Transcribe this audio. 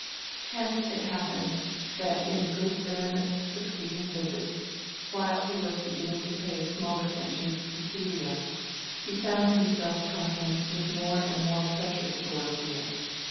Hence it happened that in the good baronet's succeeding visits, while he was beginning to pay small attentions to Celia, he found himself talking with more and more pleasure to Dorothea.